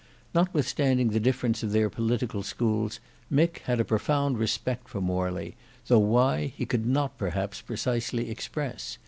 Notwithstanding the difference of their political schools Mick had a profound respect for Morley, though why he could not perhaps precisely express.